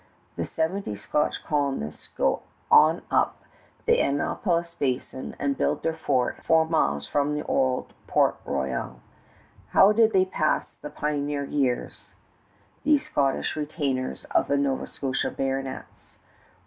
The seventy Scotch colonists go on up the Annapolis Basin and build their fort four miles from old Port Royal. How did they pass the pioneer years these Scotch retainers of the Nova Scotia Baronets?